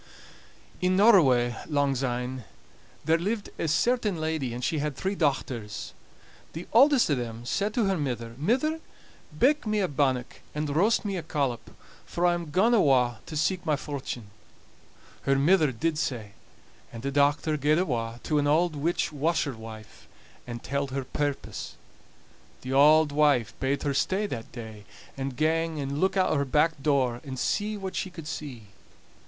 In Norroway, langsyne, there lived a certain lady, and she had three dochters. The auldest o' them said to her mither: "Mither, bake me a bannock, and roast me a collop, for I'm gaun awa' to seek my fortune." Her mither did sae; and the dochter gaed awa' to an auld witch washerwife and telled her purpose. The auld wife bade her stay that day, and gang and look out o' her back door, and see what she could see.